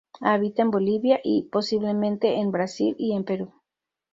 Habita en Bolivia y, posiblemente, en Brasil y en Perú.